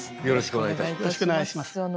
よろしくお願いします。